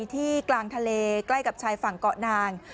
ที่กลางทะเลใกล้กับชายฝั่งเกาะนาง